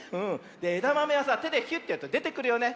えだまめはさてでヒュッとやるとでてくるよね。